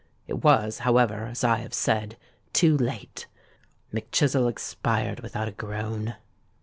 It was, however, as I have said—too late! Mac Chizzle expired without a groan.